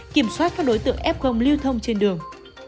kiểm soát các đối tượng ép gông lưu thông trên đường